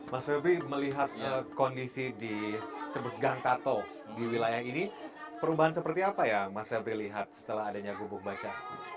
mas febri melihat kondisi disebut gangkato di wilayah ini perubahan seperti apa ya mas febri lihat setelah adanya gubuk baca